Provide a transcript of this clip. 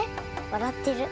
わらってる。